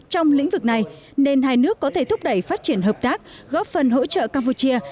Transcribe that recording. trong lĩnh vực này nên hai nước có thể thúc đẩy phát triển hợp tác góp phần hỗ trợ campuchia